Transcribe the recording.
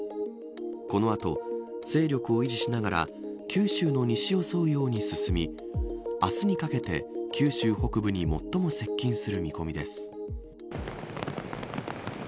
この後、勢力を維持しながら九州の西を沿うように進み明日にかけて九州北部に最も接近する見込みです。